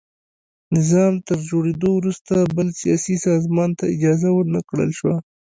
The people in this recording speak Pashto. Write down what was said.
نظام تر جوړېدو وروسته بل سیاسي سازمان ته اجازه ور نه کړل شوه.